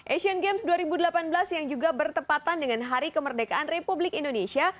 asian games dua ribu delapan belas yang juga bertepatan dengan hari kemerdekaan republik indonesia